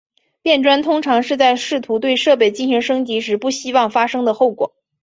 变砖通常是在试图对设备进行升级时不希望发生的后果。